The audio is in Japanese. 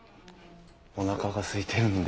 おなかがすいてるので。